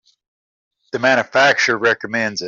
The manufacturer recommends it.